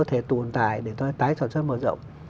có thể tồn tại để tôi tái sản xuất mở rộng